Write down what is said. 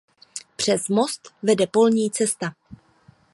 Přes most vede polní cesta.